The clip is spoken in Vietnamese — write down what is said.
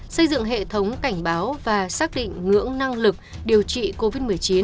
xây dựng hệ thống cảnh báo và xác định ngưỡng năng lực điều trị covid một mươi chín